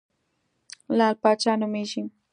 لعل پاچا نومېږم.